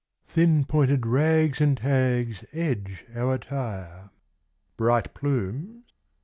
Thin pointed rags and tags edge our attire. ... Bright plumes